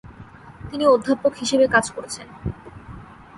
তিনি অধ্যাপক হিসাবে কাজ করেছেন।